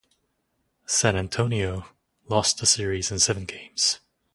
San Antonio lost the series in seven games.